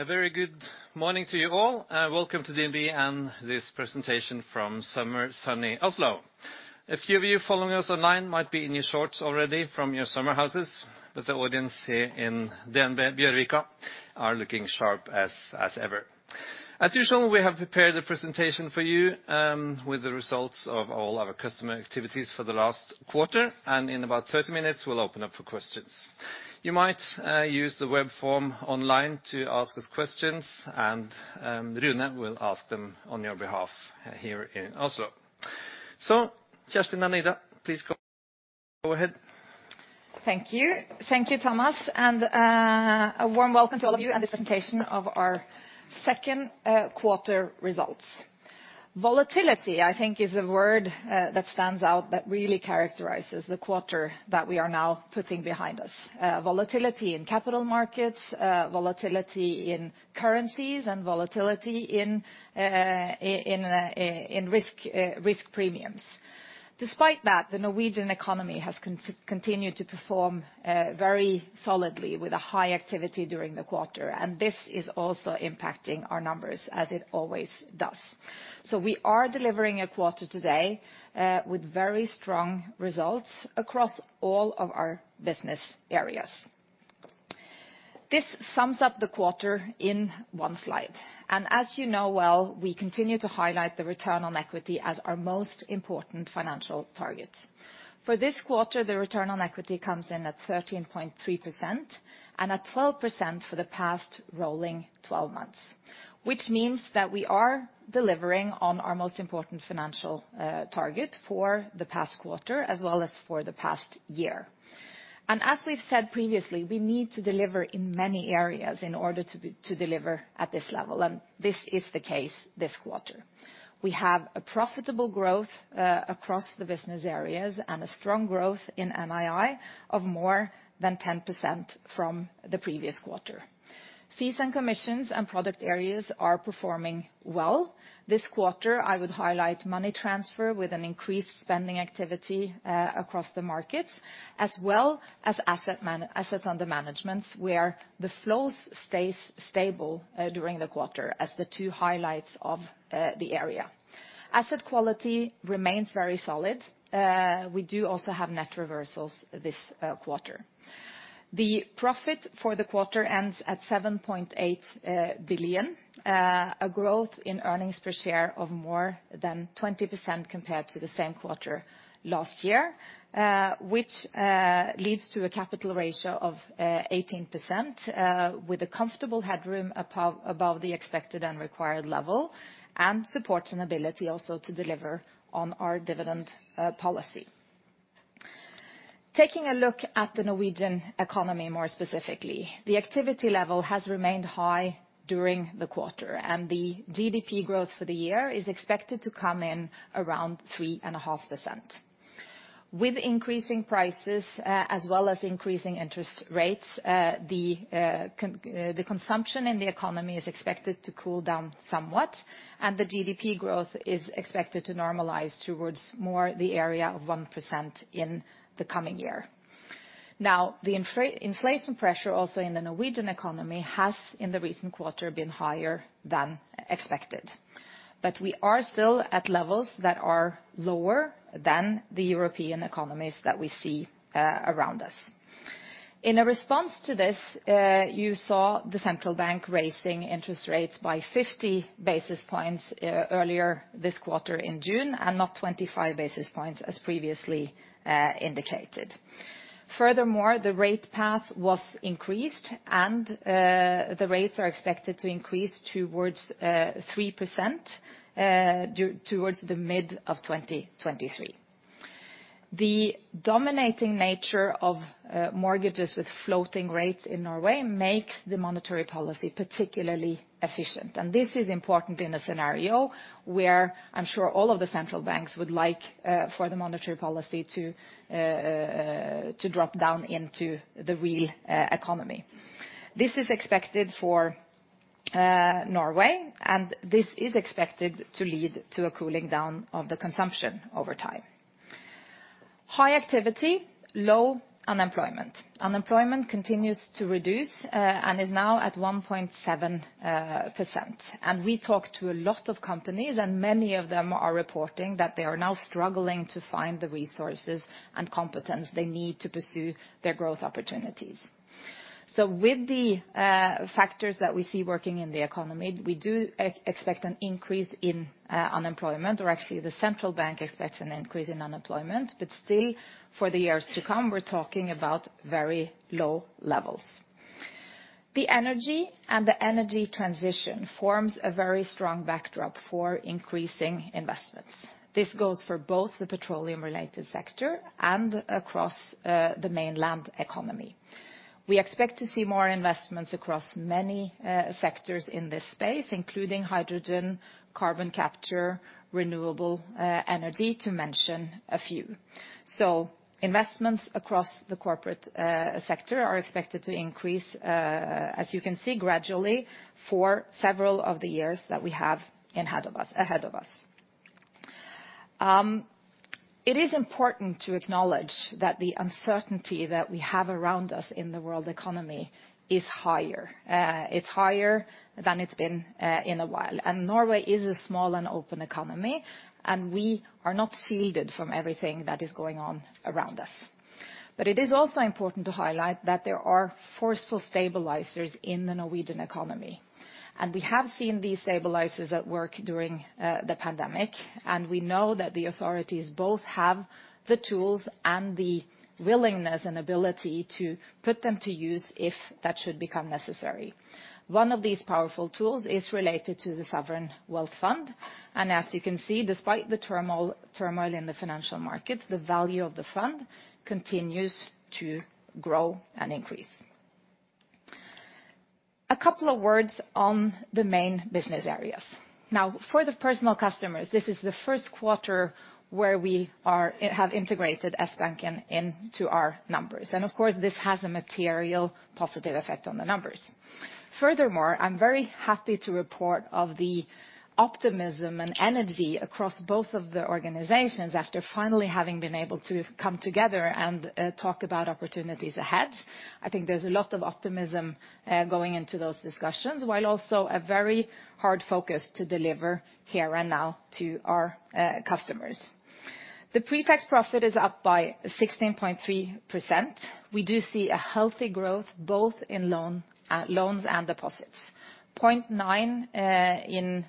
A very good morning to you all. Welcome to DNB and this presentation from summer sunny Oslo. A few of you following us online might be in your shorts already from your summer houses, but the audience here in DNB Bjørvika are looking sharp as ever. As usual, we have prepared a presentation for you, with the results of all our customer activities for the last quarter, and in about 30 minutes we'll open up for questions. You might use the web form online to ask us questions, and Rune will ask them on your behalf here in Oslo. Kjerstin and Ida, please go ahead. Thank you. Thank you, Thomas, and a warm welcome to all of you in the presentation of our second quarter results. Volatility, I think, is a word that stands out that really characterizes the quarter that we are now putting behind us. Volatility in capital markets, volatility in currencies, and volatility in risk premiums. Despite that, the Norwegian economy has continued to perform very solidly with a high activity during the quarter, and this is also impacting our numbers as it always does. We are delivering a quarter today with very strong results across all of our business areas. This sums up the quarter in one slide, and as you know well, we continue to highlight the return on equity as our most important financial target. For this quarter, the return on equity comes in at 13.3%, and at 12% for the past rolling 12 months, which means that we are delivering on our most important financial target for the past quarter, as well as for the past year. As we've said previously, we need to deliver in many areas in order to deliver at this level, and this is the case this quarter. We have a profitable growth across the business areas and a strong growth in NII of more than 10% from the previous quarter. Fees and commissions and product areas are performing well. This quarter, I would highlight money transfer with an increased spending activity across the market, as well as assets under management, where the flows stays stable during the quarter as the two highlights of the area. Asset quality remains very solid. We do also have net reversals this quarter. The profit for the quarter ends at 7.8 billion, a growth in earnings per share of more than 20% compared to the same quarter last year, which leads to a capital ratio of 18%, with a comfortable headroom above the expected and required level, and support and ability also to deliver on our dividend policy. Taking a look at the Norwegian economy more specifically, the activity level has remained high during the quarter, and the GDP growth for the year is expected to come in around 3.5%. With increasing prices, as well as increasing interest rates, the consumption in the economy is expected to cool down somewhat, and the GDP growth is expected to normalize towards more the area of 1% in the coming year. Now, the inflation pressure also in the Norwegian economy has, in the recent quarter, been higher than expected. We are still at levels that are lower than the European economies that we see around us. In a response to this, you saw the central bank raising interest rates by 50 basis points earlier this quarter in June, and not 25 basis points as previously indicated. Furthermore, the rate path was increased and the rates are expected to increase towards 3% towards the mid of 2023. The dominating nature of mortgages with floating rates in Norway makes the monetary policy particularly efficient, and this is important in a scenario where I'm sure all of the central banks would like for the monetary policy to drop down into the real economy. This is expected for Norway, and this is expected to lead to a cooling down of the consumption over time. High activity, low unemployment. Unemployment continues to reduce and is now at 1.7%. We talk to a lot of companies, and many of them are reporting that they are now struggling to find the resources and competence they need to pursue their growth opportunities. With the factors that we see working in the economy, we do expect an increase in unemployment, or actually the central bank expects an increase in unemployment. Still, for the years to come, we're talking about very low levels. The energy and the energy transition forms a very strong backdrop for increasing investments. This goes for both the petroleum related sector and across the mainland economy. We expect to see more investments across many sectors in this space, including hydrogen, carbon capture, renewable energy, to mention a few. Investments across the corporate sector are expected to increase, as you can see, gradually for several of the years that we have ahead of us. It is important to acknowledge that the uncertainty that we have around us in the world economy is higher. It's higher than it's been in a while. Norway is a small and open economy, and we are not shielded from everything that is going on around us. It is also important to highlight that there are forceful stabilizers in the Norwegian economy, and we have seen these stabilizers at work during the pandemic. We know that the authorities both have the tools and the willingness and ability to put them to use if that should become necessary. One of these powerful tools is related to the sovereign wealth fund, and as you can see, despite the turmoil in the financial markets, the value of the fund continues to grow and increase. A couple of words on the main business areas. Now, for the personal customers, this is the first quarter where we have integrated Sbanken into our numbers. Of course, this has a material positive effect on the numbers. Furthermore, I'm very happy to report on the optimism and energy across both of the organizations after finally having been able to come together and talk about opportunities ahead. I think there's a lot of optimism going into those discussions, while also a very hard focus to deliver here and now to our customers. The pretax profit is up by 16.3%. We do see a healthy growth both in loans and deposits. 0.9% in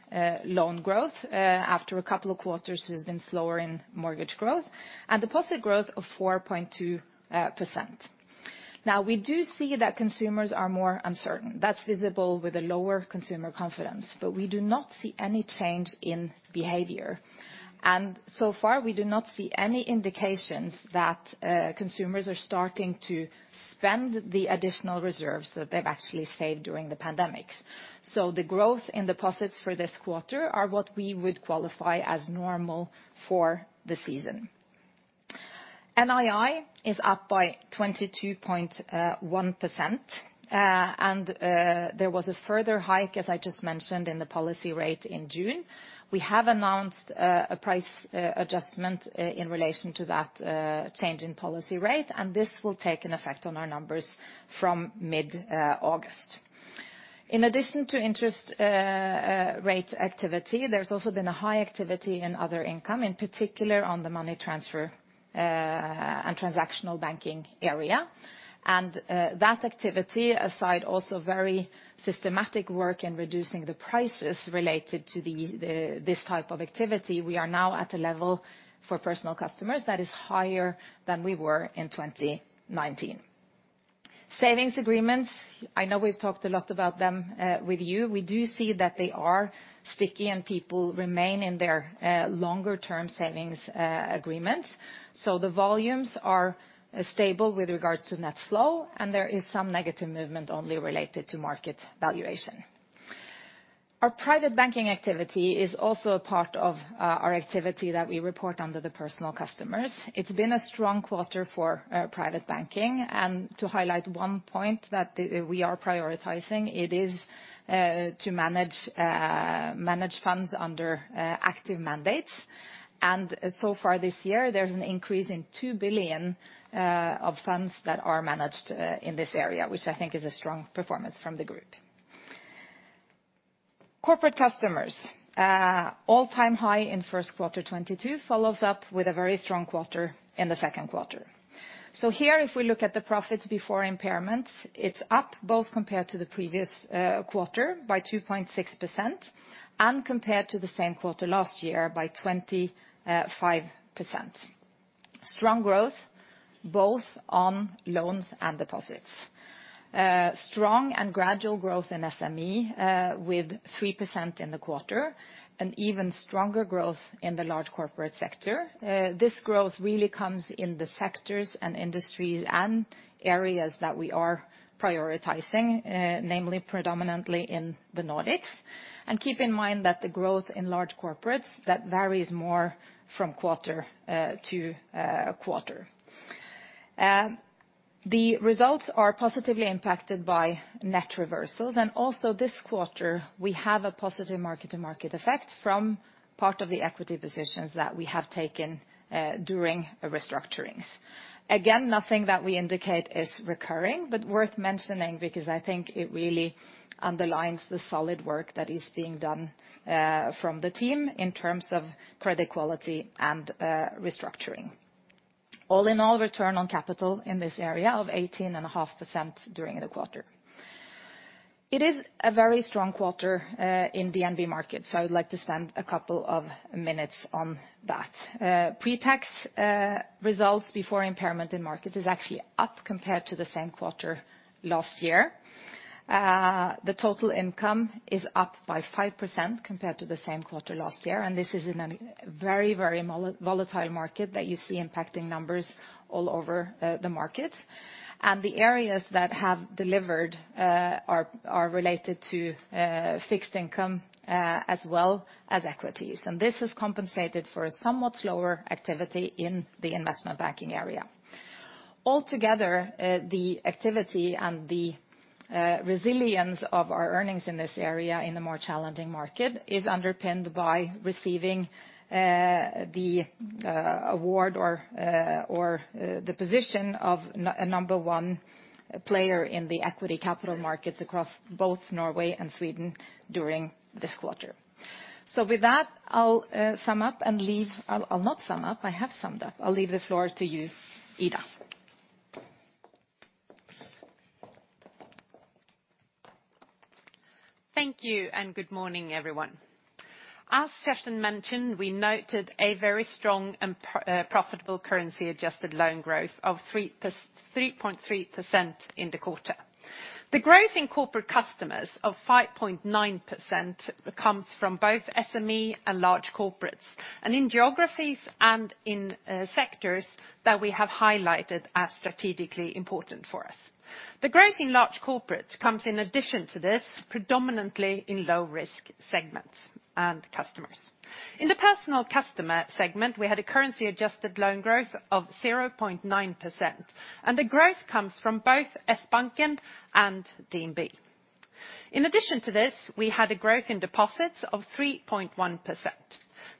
loan growth after a couple of quarters has been slower in mortgage growth, and deposit growth of 4.2%. Now, we do see that consumers are more uncertain. That's visible with the lower consumer confidence, but we do not see any change in behavior. So far we do not see any indications that consumers are starting to spend the additional reserves that they've actually saved during the pandemic. The growth in deposits for this quarter are what we would qualify as normal for the season. NII is up by 22.1%. And there was a further hike, as I just mentioned, in the policy rate in June. We have announced a price adjustment in relation to that change in policy rate, and this will take effect on our numbers from mid-August. In addition to interest rate activity, there's also been a high activity in other income, in particular on the money transfer and transactional banking area. That activity aside, also very systematic work in reducing the prices related to this type of activity. We are now at a level for personal customers that is higher than we were in 2019. Savings agreements, I know we've talked a lot about them with you. We do see that they are sticky, and people remain in their longer term savings agreements. The volumes are stable with regards to net flow, and there is some negative movement only related to market valuation. Our private banking activity is also a part of our activity that we report under the personal customers. It's been a strong quarter for private banking. To highlight one point that we are prioritizing, it is to manage funds under active mandates. So far this year, there's an increase in 2 billion of funds that are managed in this area, which I think is a strong performance from the group. Corporate customers. All-time high in first quarter 2022 follows up with a very strong quarter in the second quarter. Here, if we look at the profits before impairments, it's up both compared to the previous quarter by 2.6% and compared to the same quarter last year by 25%. Strong growth both on loans and deposits. Strong and gradual growth in SME with 3% in the quarter, an even stronger growth in the large corporate sector. This growth really comes in the sectors and industries and areas that we are prioritizing, namely predominantly in the Nordics. Keep in mind that the growth in large corporates, that varies more from quarter to quarter. The results are positively impacted by net reversals. Also this quarter we have a positive mark-to-market effect from part of the equity positions that we have taken during restructurings. Again, nothing that we indicate is recurring, but worth mentioning because I think it really underlines the solid work that is being done from the team in terms of credit quality and restructuring. All in all, return on capital in this area of 18.5% during the quarter. It is a very strong quarter in DNB Markets, so I would like to spend a couple of minutes on that. Pre-tax results before impairment in Markets is actually up compared to the same quarter last year. The total income is up by 5% compared to the same quarter last year, and this is in a very volatile market that you see impacting numbers all over the market. The areas that have delivered are related to fixed income as well as equities, and this has compensated for a somewhat slower activity in the investment banking area. Altogether, the activity and the resilience of our earnings in this area in a more challenging market is underpinned by receiving the award or the position of number one player in the equity capital markets across both Norway and Sweden during this quarter. With that, I have summed up. I'll leave the floor to you, Ida. Thank you, and good morning, everyone. As Kjerstin mentioned, we noted a very strong and profitable currency-adjusted loan growth of 3.3% in the quarter. The growth in corporate customers of 5.9% comes from both SME and large corporates, and in geographies and in sectors that we have highlighted as strategically important for us. The growth in large corporates comes in addition to this, predominantly in low-risk segments and customers. In the personal customer segment, we had a currency-adjusted loan growth of 0.9%, and the growth comes from both Sbanken and DNB. In addition to this, we had a growth in deposits of 3.1%.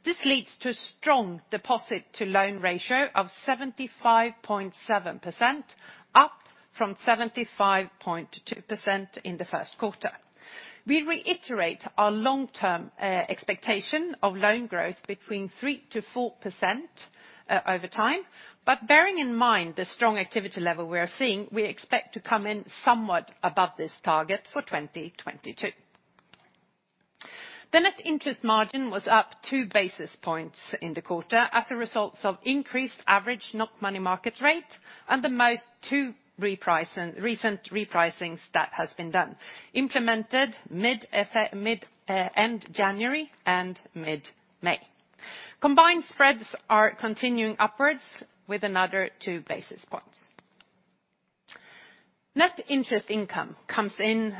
This leads to strong deposit to loan ratio of 75.7%, up from 75.2% in the first quarter. We reiterate our long-term expectation of loan growth between 3%-4% over time. Bearing in mind the strong activity level we are seeing, we expect to come in somewhat above this target for 2022. The net interest margin was up two basis points in the quarter as a result of increased average NOK money market rate and the recent repricings that has been done, implemented end January and mid-May. Combined spreads are continuing upwards with another two basis points. Net interest income comes in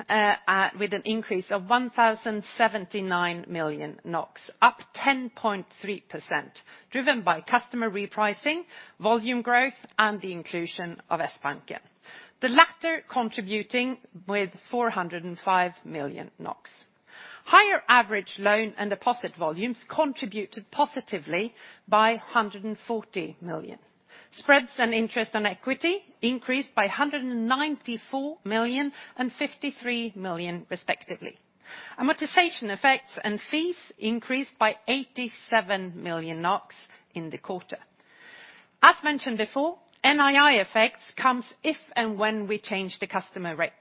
with an increase of 1,079 million NOK, up 10.3%, driven by customer repricing, volume growth, and the inclusion of Sbanken, the latter contributing with 405 million NOK. Higher average loan and deposit volumes contributed positively by 140 million. Spreads and interest on equity increased by 194 million and 53 million respectively. Amortization effects and fees increased by 87 million NOK in the quarter. As mentioned before, NII effects comes if and when we change the customer rates.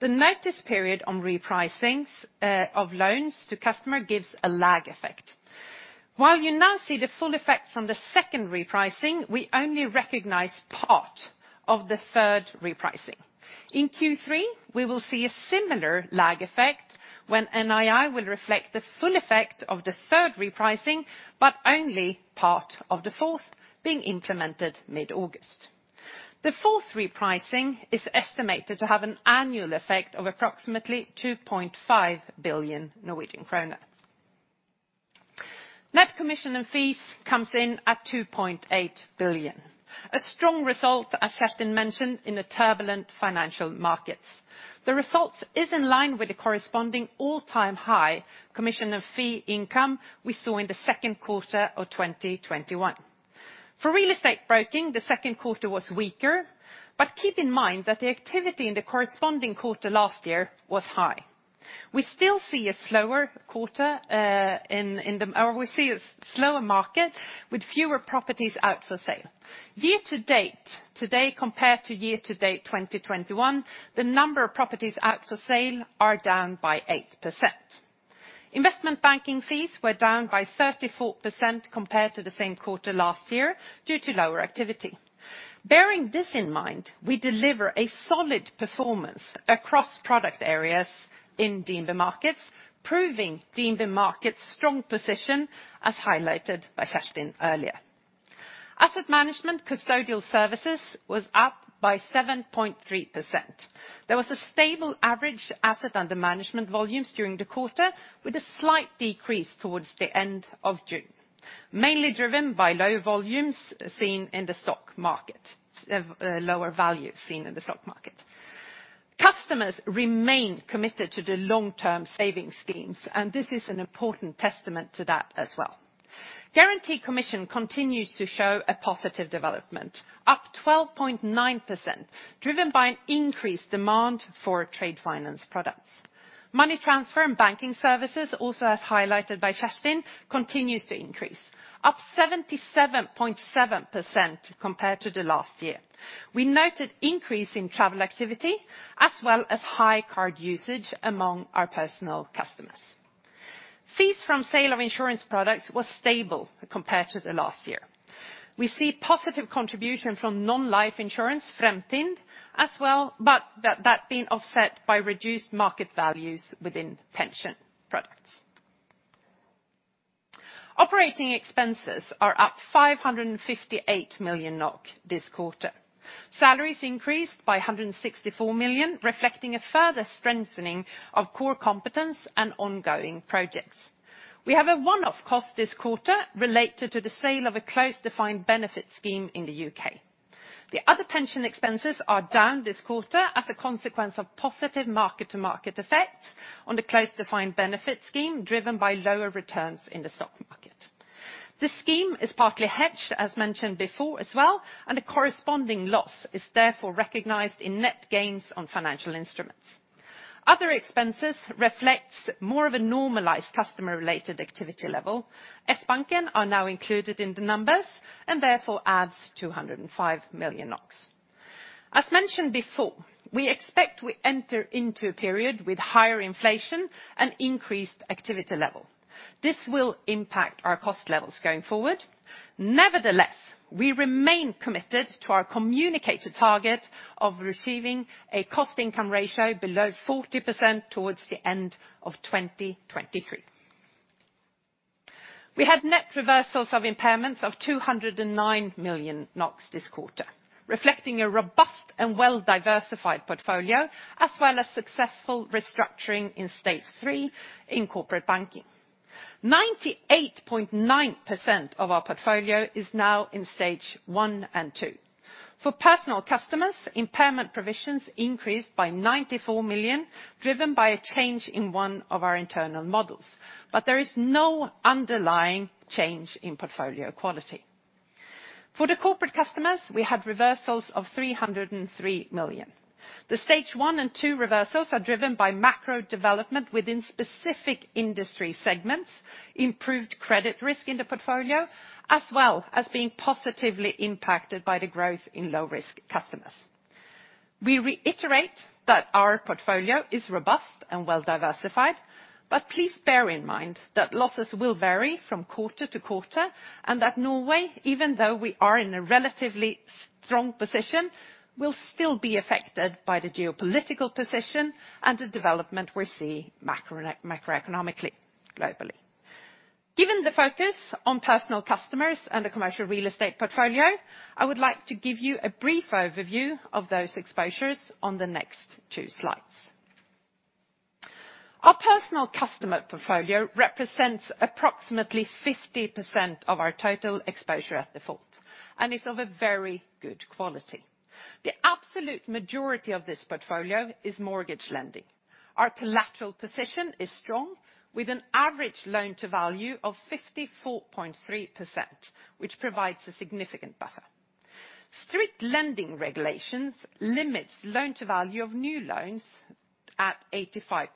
The notice period on repricings of loans to customer gives a lag effect. While you now see the full effect from the second repricing, we only recognize part of the third repricing. In Q3, we will see a similar lag effect when NII will reflect the full effect of the third repricing, but only part of the fourth being implemented mid-August. The fourth repricing is estimated to have an annual effect of approximately 2.5 billion Norwegian kroner. Net commission and fees comes in at 2.8 billion. A strong result, as Kjerstin mentioned, in the turbulent financial markets. The results is in line with the corresponding all-time high commission and fee income we saw in the second quarter of 2021. For real estate broking, the second quarter was weaker. Keep in mind that the activity in the corresponding quarter last year was high. We still see a slower market with fewer properties out for sale. Year to date, today compared to year to date 2021, the number of properties out for sale are down by 8%. Investment banking fees were down by 34% compared to the same quarter last year due to lower activity. Bearing this in mind, we deliver a solid performance across product areas in DNB Markets, proving DNB Markets' strong position, as highlighted by Kjerstin earlier. Asset management custodial services was up by 7.3%. There was a stable average asset under management volumes during the quarter, with a slight decrease towards the end of June, mainly driven by low volumes seen in the stock market, lower value seen in the stock market. Customers remain committed to the long-term savings schemes, and this is an important testament to that as well. Guarantee commission continues to show a positive development, up 12.9%, driven by an increased demand for trade finance products. Money transfer and banking services, also as highlighted by Kjerstin, continues to increase, up 77.7% compared to the last year. We noted increase in travel activity as well as high card usage among our personal customers. Fees from sale of insurance products was stable compared to the last year. We see positive contribution from non-life insurance, Fremtind, as well, but that being offset by reduced market values within pension products. Operating expenses are up 558 million NOK this quarter. Salaries increased by 164 million, reflecting a further strengthening of core competence and ongoing projects. We have a one-off cost this quarter related to the sale of a closed defined benefit scheme in the U.K.. The other pension expenses are down this quarter as a consequence of positive mark-to-market effect on the closed defined benefit scheme driven by lower returns in the stock market. This scheme is partly hedged, as mentioned before as well, and a corresponding loss is therefore recognized in net gains on financial instruments. Other expenses reflect more of a normalized customer-related activity level. Sbanken is now included in the numbers, and therefore adds 205 million NOK. As mentioned before, we expect to enter into a period with higher inflation and increased activity level. This will impact our cost levels going forward. Nevertheless, we remain committed to our communicated target of achieving a cost income ratio below 40% toward the end of 2023. We had net reversals of impairments of 209 million NOK this quarter, reflecting a robust and well-diversified portfolio, as well as successful restructuring in stage three in corporate banking. 98.9% of our portfolio is now in stage one and two. For personal customers, impairment provisions increased by 94 million, driven by a change in one of our internal models. There is no underlying change in portfolio quality. For the corporate customers, we had reversals of 303 million. The stage one and two reversals are driven by macro development within specific industry segments, improved credit risk in the portfolio, as well as being positively impacted by the growth in low risk customers. We reiterate that our portfolio is robust and well-diversified. Please bear in mind that losses will vary from quarter to quarter, and that Norway, even though we are in a relatively strong position, will still be affected by the geopolitical position and the development we see macroeconomically, globally. Given the focus on personal customers and the commercial real estate portfolio, I would like to give you a brief overview of those exposures on the next two slides. Our personal customer portfolio represents approximately 50% of our total exposure at default and is of a very good quality. The absolute majority of this portfolio is mortgage lending. Our collateral position is strong, with an average loan-to-value of 54.3%, which provides a significant buffer. Strict lending regulations limits loan-to-value of new loans at 85%,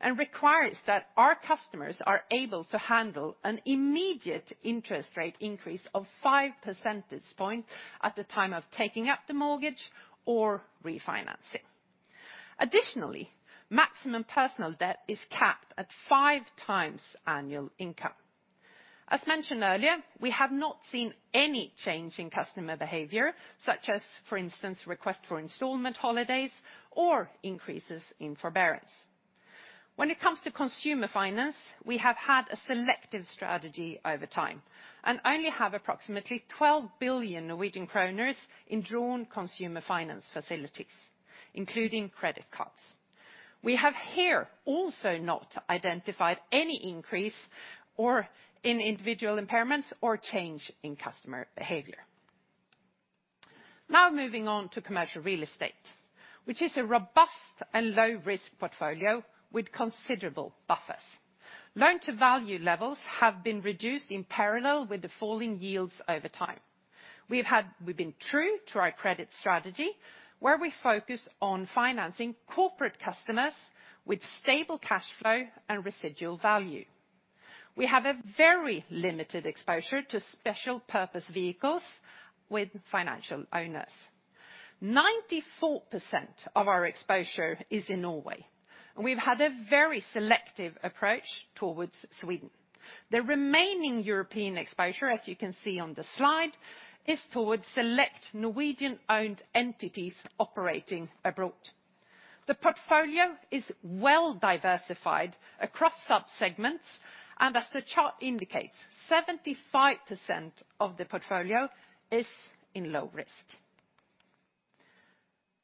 and requires that our customers are able to handle an immediate interest rate increase of 5 percentage point at the time of taking up the mortgage or refinancing. Additionally, maximum personal debt is capped at 5x annual income. As mentioned earlier, we have not seen any change in customer behavior, such as, for instance, request for installment holidays or increases in forbearance. When it comes to consumer finance, we have had a selective strategy over time, and only have approximately 12 billion Norwegian kroner in drawn consumer finance facilities, including credit cards. We have here also not identified any increase or in individual impairments or change in customer behavior. Now moving on to commercial real estate, which is a robust and low-risk portfolio with considerable buffers. Loan-to-value levels have been reduced in parallel with the falling yields over time. We've been true to our credit strategy, where we focus on financing corporate customers with stable cash flow and residual value. We have a very limited exposure to special purpose vehicles with financial owners. 94% of our exposure is in Norway, and we've had a very selective approach towards Sweden. The remaining European exposure, as you can see on the slide, is towards select Norwegian-owned entities operating abroad. The portfolio is well-diversified across subsegments, and as the chart indicates, 75% of the portfolio is in low risk.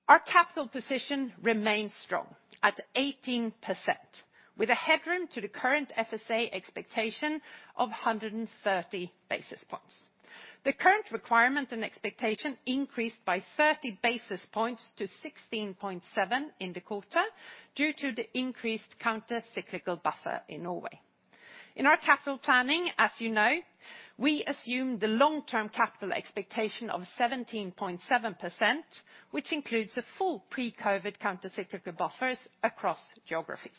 Our capital position remains strong at 18%, with a headroom to the current FSA expectation of 130 basis points. The current requirement and expectation increased by 30 basis points to 16.7 in the quarter due to the increased counter-cyclical buffer in Norway. In our capital planning, as you know, we assume the long-term capital expectation of 17.7%, which includes the full pre-COVID counter-cyclical buffers across geographies.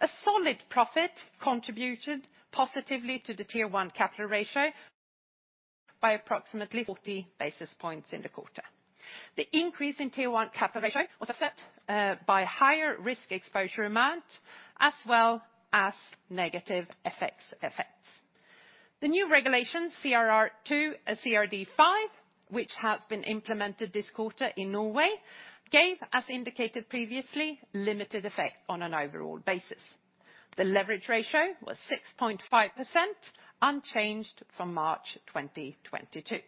A solid profit contributed positively to the Tier 1 capital ratio by approximately 40 basis points in the quarter. The increase in Tier 1 capital ratio was offset by higher risk exposure amount as well as negative FX effects. The new regulation CRR II and CRD V, which has been implemented this quarter in Norway, gave, as indicated previously, limited effect on an overall basis. The leverage ratio was 6.5%, unchanged from March 2022.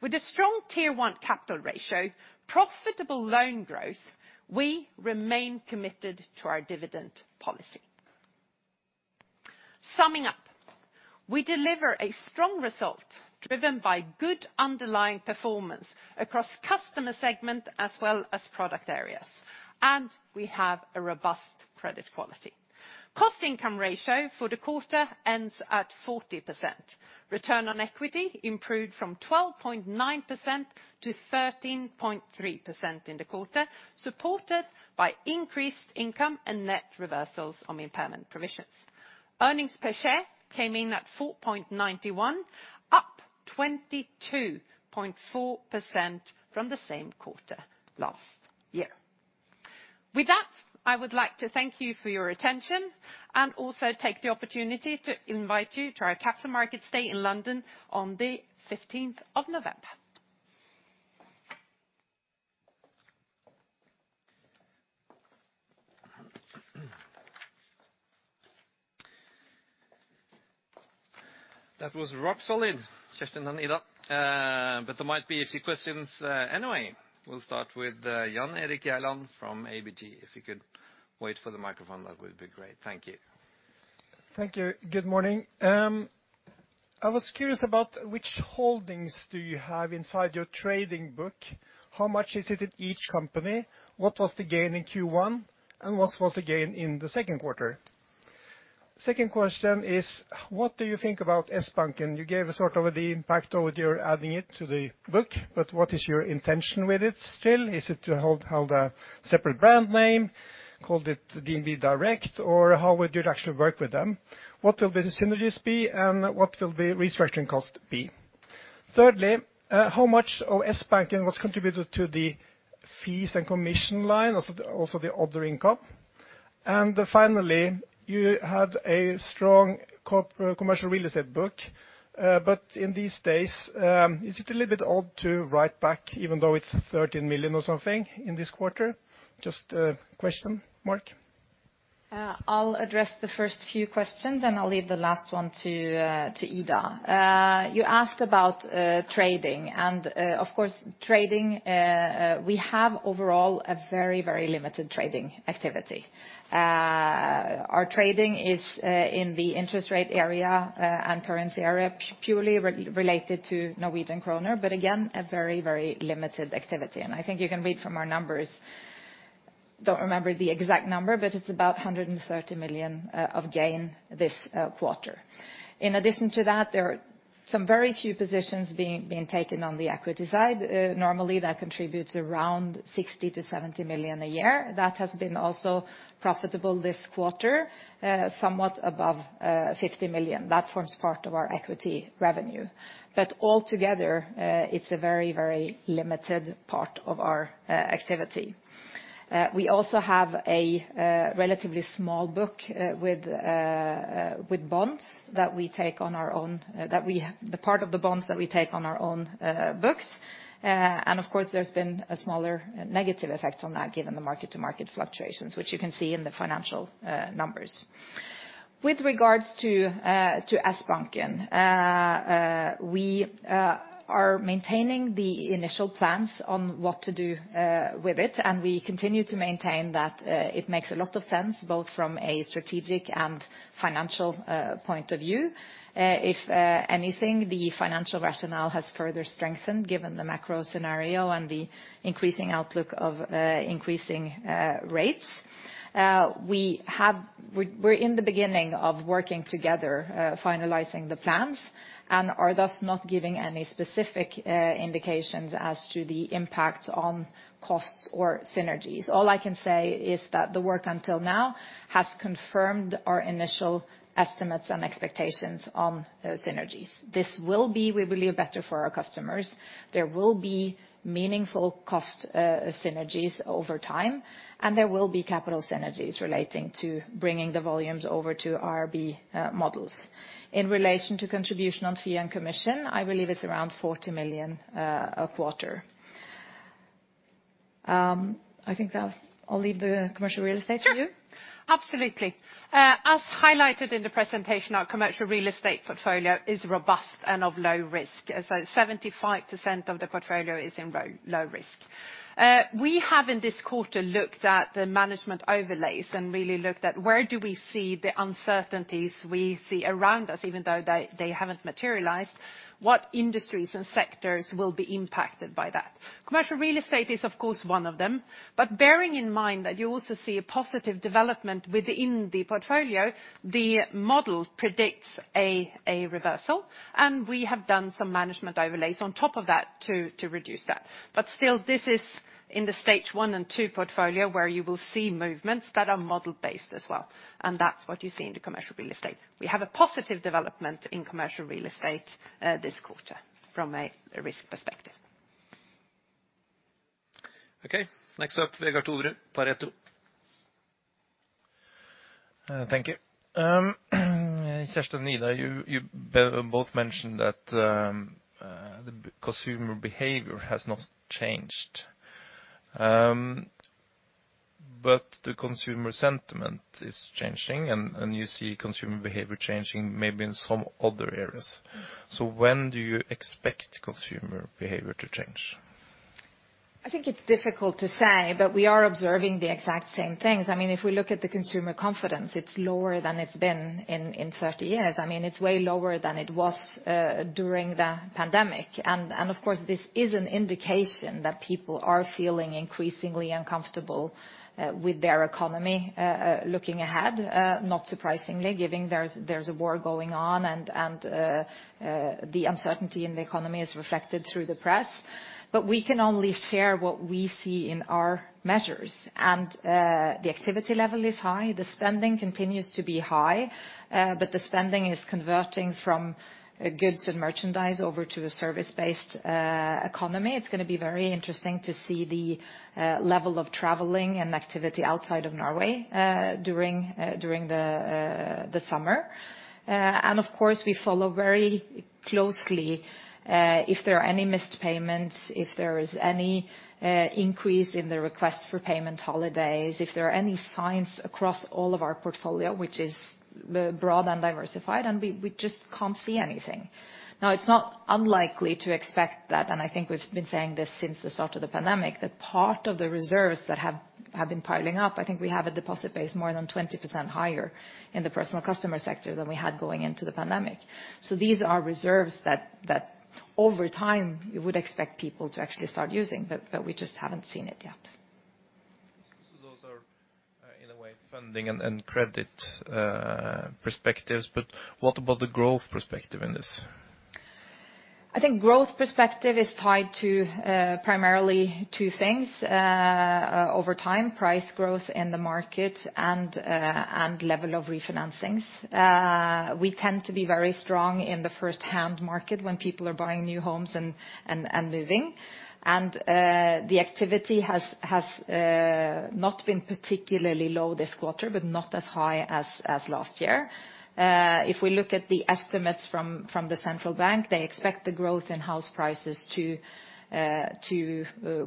With a strong Tier 1 capital ratio, profitable loan growth, we remain committed to our dividend policy. Summing up, we deliver a strong result driven by good underlying performance across customer segment as well as product areas, and we have a robust credit quality. Cost income ratio for the quarter ends at 40%. Return on equity improved from 12.9% to 13.3% in the quarter, supported by increased income and net reversals on impairment provisions. Earnings per share came in at 4.91, up 22.4% from the same quarter last year. With that, I would like to thank you for your attention and also take the opportunity to invite you to our Capital Markets Day in London on the 15th of November. That was rock solid, Kjerstin and Ida. There might be a few questions, anyway. We'll start with Jan Erik Gjerland from ABG. If you could wait for the microphone, that would be great. Thank you. Thank you. Good morning. I was curious about which holdings do you have inside your trading book? How much is it at each company? What was the gain in Q1, and what was the gain in the second quarter? Second question is, what do you think about Sbanken? You gave a sort of the impact of your adding it to the book, but what is your intention with it still? Is it to hold a separate brand name, called it DNB Direct, or how would you actually work with them? What will the synergies be, and what will the restructuring cost be? Thirdly, how much of Sbanken was contributed to the fees and commission line, also the other income? Finally, you had a strong commercial real estate book. In these days, is it a little bit odd to write back, even though it's 13 million or something in this quarter? Just a question mark. I'll address the first few questions, and I'll leave the last one to Ida. You asked about trading and, of course, trading, we have overall a very, very limited trading activity. Our trading is in the interest rate area and currency area purely related to Norwegian kroner, but again, a very, very limited activity, and I think you can read from our numbers. Don't remember the exact number, but it's about 130 million of gain this quarter. In addition to that, there are some very few positions being taken on the equity side. Normally, that contributes around 60 million-70 million a year. That has been also profitable this quarter, somewhat above 50 million. That forms part of our equity revenue. All together, it's a very, very limited part of our activity. We also have a relatively small book with bonds that we take on our own books. Of course, there's been a smaller negative effect on that given the mark-to-market fluctuations, which you can see in the financial numbers. With regards to Sbanken, we are maintaining the initial plans on what to do with it, and we continue to maintain that it makes a lot of sense both from a strategic and financial point of view. If anything, the financial rationale has further strengthened given the macro scenario and the increasing outlook of increasing rates. We're in the beginning of working together, finalizing the plans and are thus not giving any specific indications as to the impact on costs or synergies. All I can say is that the work until now has confirmed our initial estimates and expectations on those synergies. This will be, we believe, better for our customers. There will be meaningful cost synergies over time, and there will be capital synergies relating to bringing the volumes over to IRB models. In relation to contribution on fee and commission, I believe it's around 40 million a quarter. I think that's it. I'll leave the commercial real estate to you. Sure. Absolutely. As highlighted in the presentation, our commercial real estate portfolio is robust and of low risk. 75% of the portfolio is in low risk. We have, in this quarter, looked at the management overlays and really looked at where do we see the uncertainties we see around us, even though they haven't materialized, what industries and sectors will be impacted by that? Commercial real estate is of course one of them. Bearing in mind that you also see a positive development within the portfolio, the model predicts a reversal, and we have done some management overlays on top of that to reduce that. Still, this is in the stage one and two portfolio, where you will see movements that are model based as well, and that's what you see in the commercial real estate. We have a positive development in commercial real estate, this quarter from a risk perspective. Okay. Next up, Vegard Toverud, Pareto. Thank you. Kjerstin and Ida, you both mentioned that the consumer behavior has not changed. The consumer sentiment is changing, and you see consumer behavior changing maybe in some other areas. Mm. When do you expect consumer behavior to change? I think it's difficult to say, but we are observing the exact same things. I mean, if we look at the consumer confidence, it's lower than it's been in 30 years. I mean, it's way lower than it was during the pandemic. Of course, this is an indication that people are feeling increasingly uncomfortable with their economy looking ahead, not surprisingly, given there's a war going on and the uncertainty in the economy is reflected through the press. We can only share what we see in our measures, and the activity level is high. The spending continues to be high, but the spending is converting from goods and merchandise over to a service-based economy. It's gonna be very interesting to see the level of traveling and activity outside of Norway during the summer. Of course, we follow very closely if there are any missed payments, if there is any increase in the request for payment holidays, if there are any signs across all of our portfolio, which is broad and diversified, and we just can't see anything. Now, it's not unlikely to expect that, and I think we've been saying this since the start of the pandemic, that part of the reserves that have been piling up. I think we have a deposit base more than 20% higher in the personal customer sector than we had going into the pandemic. These are reserves that over time you would expect people to actually start using, but we just haven't seen it yet. Those are, in a way, funding and credit perspectives, but what about the growth perspective in this? I think growth perspective is tied to primarily two things over time, price growth in the market and level of refinancings. We tend to be very strong in the first-hand market when people are buying new homes and moving. The activity has not been particularly low this quarter, but not as high as last year. If we look at the estimates from the central bank, they expect the growth in house prices to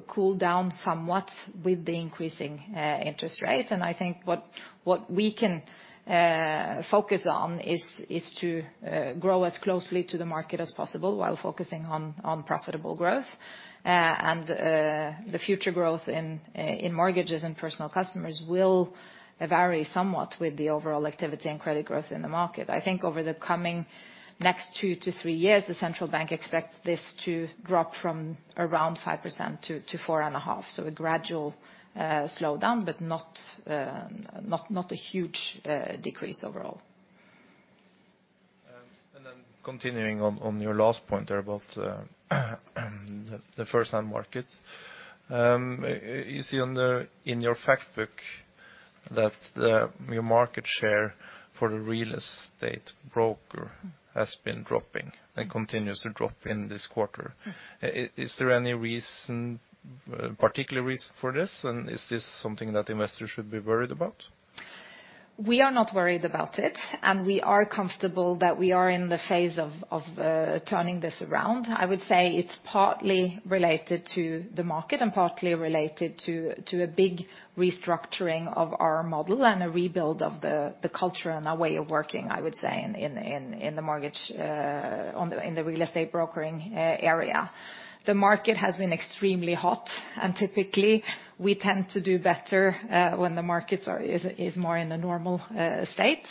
cool down somewhat with the increasing interest rate. I think what we can focus on is to grow as closely to the market as possible while focusing on profitable growth. The future growth in mortgages and personal customers will vary somewhat with the overall activity and credit growth in the market. I think over the coming next two to three years, the central bank expects this to drop from around 5% to 4.5%. A gradual slowdown, but not a huge decrease overall. Continuing on your last point there about the first-hand market. You see in your fact book that your market share for the real estate broker has been dropping and continues to drop in this quarter. Mm. Is there any reason, particular reason for this, and is this something that investors should be worried about? We are not worried about it, and we are comfortable that we are in the phase of turning this around. I would say it's partly related to the market and partly related to a big restructuring of our model and a rebuild of the culture and our way of working, I would say, in the mortgage, in the real estate brokering area. The market has been extremely hot, and typically we tend to do better when the markets are more in a normal state.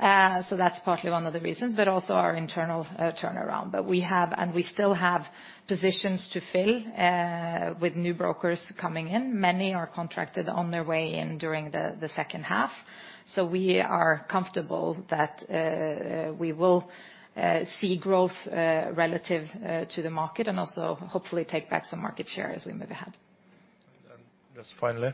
That's partly one of the reasons, but also our internal turnaround. We have, and we still have positions to fill with new brokers coming in. Many are contracted on their way in during the second half. We are comfortable that we will see growth relative to the market and also hopefully take back some market share as we move ahead. Just finally,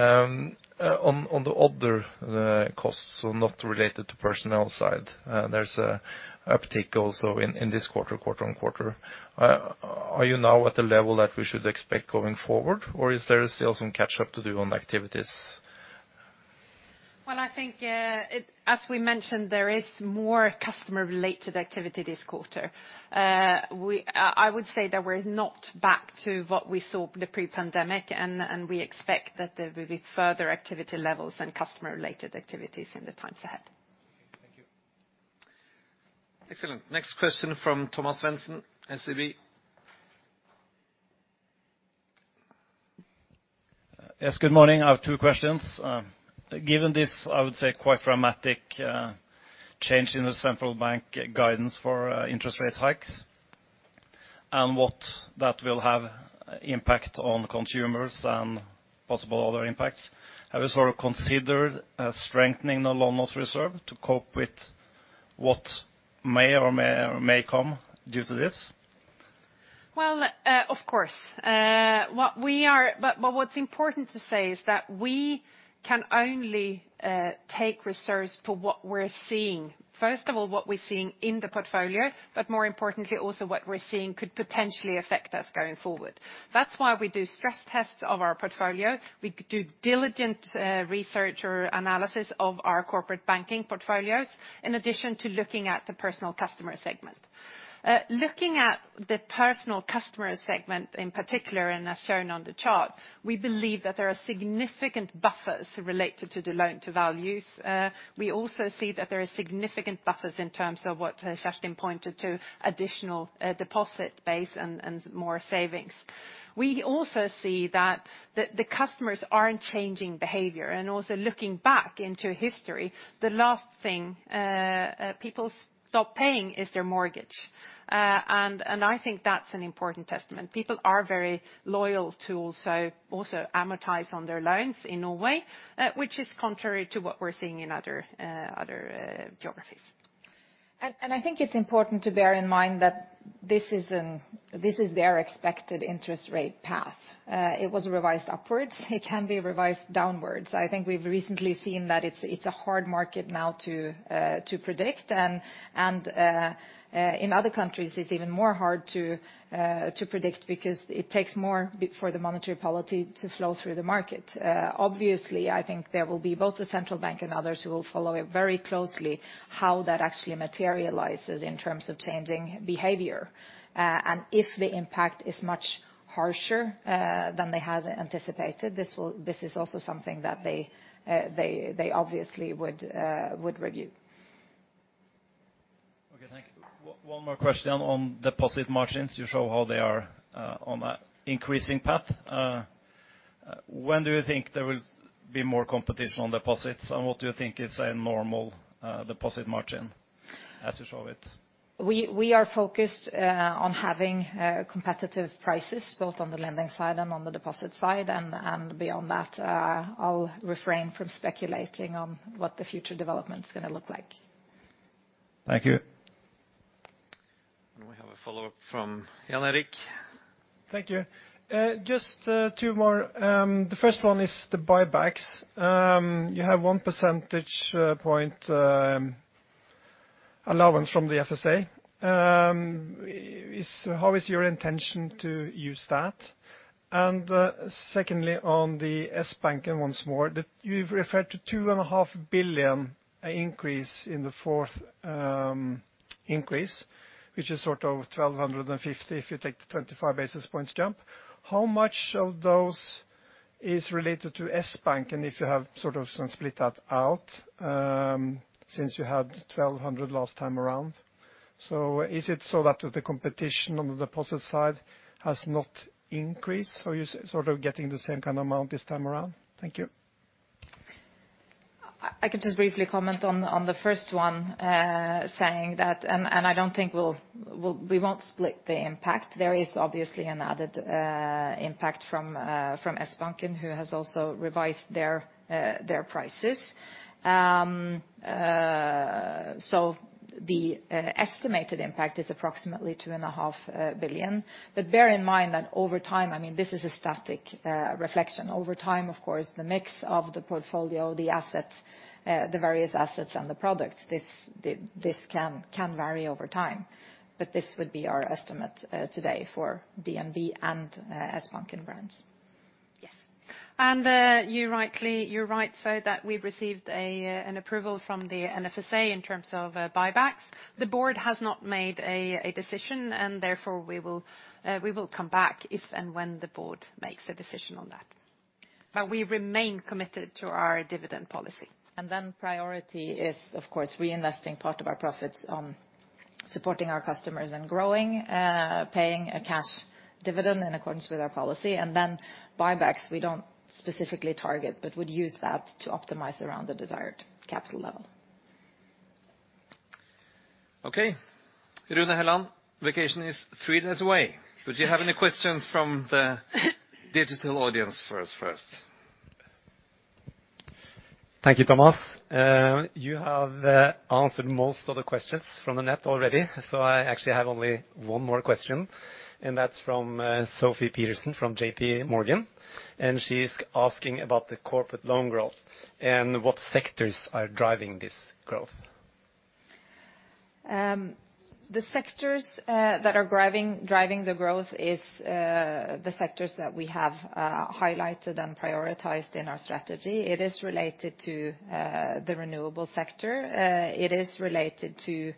on the other costs, so not related to personnel side, there's a uptick also in this quarter on quarter. Are you now at the level that we should expect going forward, or is there still some catch-up to do on activities? Well, I think, as we mentioned, there is more customer-related activity this quarter. I would say that we're not back to what we saw pre-pandemic, and we expect that there will be further activity levels and customer-related activities in the times ahead. Thank you. Excellent. Next question from Thomas Svendsen, SEB. Yes, good morning. I have two questions. Given this, I would say, quite dramatic change in the central bank guidance for interest rate hikes and what that will have impact on consumers and possible other impacts, have you sort of considered strengthening the loan loss reserve to cope with what may or may come due to this? Well, of course. What's important to say is that we can only take reserves for what we're seeing. First of all, what we're seeing in the portfolio, but more importantly, also what we're seeing could potentially affect us going forward. That's why we do stress tests of our portfolio. We do diligent research or analysis of our corporate banking portfolios, in addition to looking at the personal customer segment. Looking at the personal customer segment in particular, and as shown on the chart, we believe that there are significant buffers related to the loan-to-value. We also see that there are significant buffers in terms of what Kjerstin pointed to, additional deposit base and more savings. We also see that the customers aren't changing behavior. Also looking back into history, the last thing people stop paying is their mortgage. And I think that's an important testament. People are very loyal to also amortize on their loans in Norway, which is contrary to what we're seeing in other geographies. I think it's important to bear in mind that this is their expected interest rate path. It was revised upwards, it can be revised downwards. I think we've recently seen that it's a hard market now to predict. In other countries, it's even more hard to predict because it takes more for the monetary policy to flow through the market. Obviously, I think there will be both the central bank and others who will follow it very closely, how that actually materializes in terms of changing behavior. If the impact is much harsher than they had anticipated, this is also something that they obviously would review. Okay, thank you. One more question on deposit margins. You show how they are on an increasing path. When do you think there will be more competition on deposits? What do you think is a normal deposit margin as you show it? We are focused on having competitive prices, both on the lending side and on the deposit side. Beyond that, I'll refrain from speculating on what the future development's gonna look like. Thank you. Now we have a follow-up from Jan Erik Gjerland. Thank you. Just two more. The first one is the buybacks. You have 1 percentage point allowance from the FSA. How is your intention to use that? Secondly, on the Sbanken once more. You've referred to 2.5 billion increase in the fourth increase, which is sort of 1,250 if you take the 25 basis points jump. How much of those is related to Sbanken, if you have sort of some split that out, since you had 1,200 last time around? Is it so that the competition on the deposit side has not increased, so you're sort of getting the same kind of amount this time around? Thank you. I can just briefly comment on the first one, saying that. I don't think we won't split the impact. There is obviously an added impact from Sbanken, who has also revised their prices. So the estimated impact is approximately 2.5 billion. Bear in mind that over time, I mean, this is a static reflection. Over time, of course, the mix of the portfolio, the assets, the various assets and the products, this can vary over time. This would be our estimate today for DNB and Sbanken brands. Yes. You're right, so that we received an approval from the NFSA in terms of buybacks. The board has not made a decision, and therefore we will come back if and when the board makes a decision on that. We remain committed to our dividend policy. Priority is, of course, reinvesting part of our profits on supporting our customers and growing, paying a cash dividend in accordance with our policy. Buybacks, we don't specifically target, but would use that to optimize around the desired capital level. Okay. Rune Helland, vacation is three days away. Do you have any questions from the digital audience for us first? Thank you, Thomas. You have answered most of the questions from the net already, so I actually have only one more question, and that's from Sofie Peterzens from J.P. Morgan. She's asking about the corporate loan growth and what sectors are driving this growth. The sectors that are driving the growth is the sectors that we have highlighted and prioritized in our strategy. It is related to the renewable sector. It is related to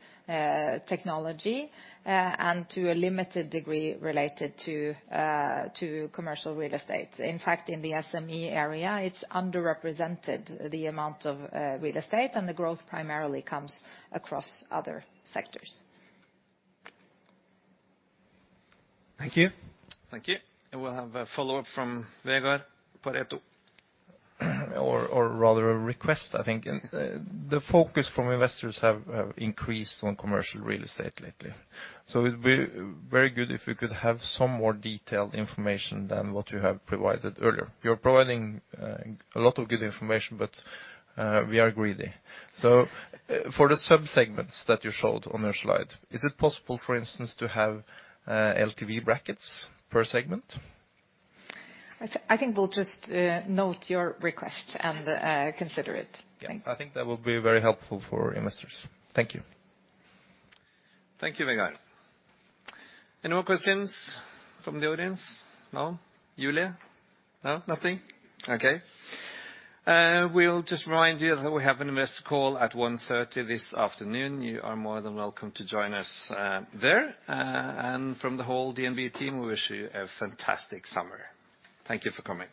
technology, and to a limited degree related to commercial real estate. In fact, in the SME area, it's underrepresented the amount of real estate, and the growth primarily comes across other sectors. Thank you. Thank you. We'll have a follow-up from Vegard Toverud. Rather a request, I think. The focus from investors have increased on commercial real estate lately, so it'd be very good if we could have some more detailed information than what you have provided earlier. You're providing a lot of good information, but we are greedy. For the sub-segments that you showed on your slide, is it possible, for instance, to have LTV brackets per segment? I think we'll just note your request and consider it. Thank you. I think that would be very helpful for investors. Thank you. Thank you, Vegard. Any more questions from the audience? No? Julia? No, nothing? Okay. We'll just remind you that we have an investor call at 1:30 P.M. this afternoon. You are more than welcome to join us there. From the whole DNB team, we wish you a fantastic summer. Thank you for coming.